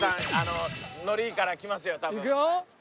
いくよ！